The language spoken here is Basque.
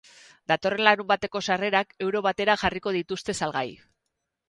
Datorren larunbateko sarrerak euro batera jarriko dituzte salgai.